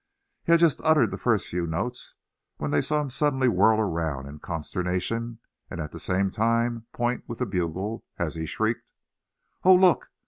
He had just uttered the first few notes when they saw him suddenly whirl around in consternation, and at the same time point with the bugle, as he shrieked: "Oh! look!